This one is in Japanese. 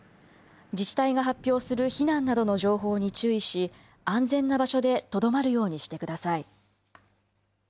自治体が発表する避難などの情報に注意し安全な場所でとどまるようにしてください。